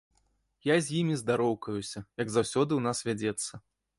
Я з імі здароўкаюся, як заўсёды ў нас вядзецца.